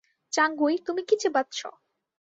চাংগুই, তুমি কী চিবাচ্ছ?